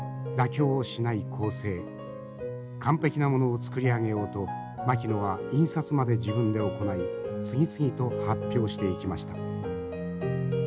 完璧なものを作り上げようと牧野は印刷まで自分で行い次々と発表していきました。